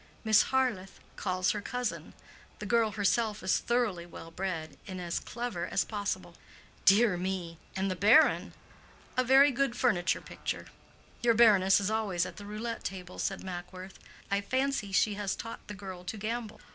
Miss Harleth calls her cousin. The girl herself is thoroughly well bred, and as clever as possible." "Dear me! and the baron?". "A very good furniture picture." "Your baroness is always at the roulette table," said Mackworth. "I fancy she has taught the girl to gamble."